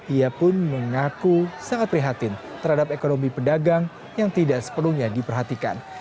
ia pun mengaku sangat prihatin terhadap ekonomi pedagang yang tidak sepenuhnya diperhatikan